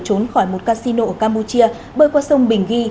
trốn khỏi một casino ở campuchia bơi qua sông bình ghi